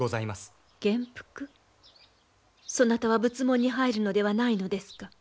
そなたは仏門に入るのではないのですか？